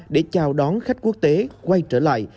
để chào đón khách quốc tế quay trở lại